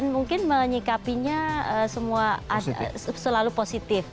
mungkin menyikapinya semua selalu positif